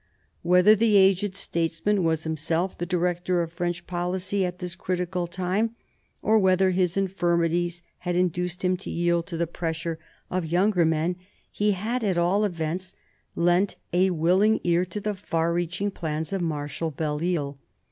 Whether the aged statesman was himself the director of French policy at this critical time, or whether his infirmities had induced him to yield to the pressure of younger 8 MARIA THERESA chap, i men, he had at all events lent a willing ear to the far reaching plans of Marshal Belleisle.